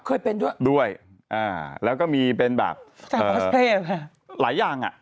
เคยเป็นด้วยด้วยอ่าแล้วก็มีเป็นแบบหลายอย่างอ่ะ